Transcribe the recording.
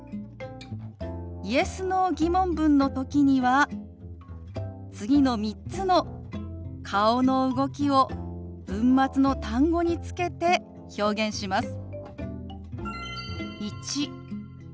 Ｙｅｓ／Ｎｏ−疑問文の時には次の３つの顔の動きを文末の単語につけて表現します。